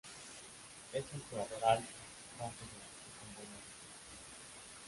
Es un jugador alto, rápido y con buenos reflejos.